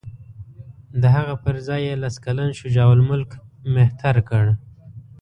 د هغه پر ځای یې لس کلن شجاع الملک مهتر کړ.